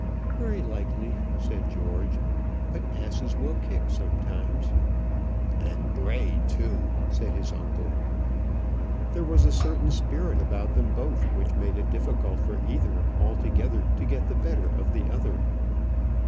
"Very likely," said George. "But asses will kick sometimes." "And bray too," said his uncle. There was a certain spirit about them both which made it difficult for either altogether to get the better of the other.